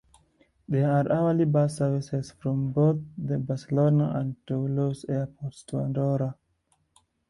There are hourly bus services from both the Barcelona and Toulouse airports to Andorra.